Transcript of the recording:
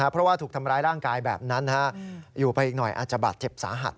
เพราะว่าถูกทำร้ายร่างกายแบบนั้นอยู่ไปอีกหน่อยอาจจะบาดเจ็บสาหัส